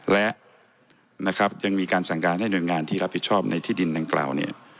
และนะครับยังมีการสั่งการให้หน่วยงานที่รับผิดชอบในที่ดินดังกล่าวเนี่ย